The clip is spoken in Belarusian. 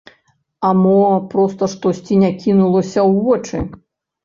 А мо, проста штосьці не кінулася ў вочы?